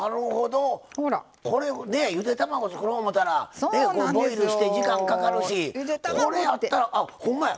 ゆで卵を作ろう思ったらボイルして時間かかるしこれやったらほんまや！